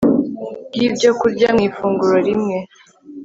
bwibyokurya mu ifunguro rimwe